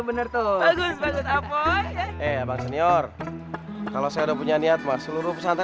bener toh bagus bagus apa ya bang senior kalau saya udah punya niat masur pesantren